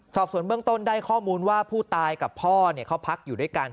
สอบส่วนเบื้องต้นได้ข้อมูลว่าผู้ตายกับพ่อเขาพักอยู่ด้วยกัน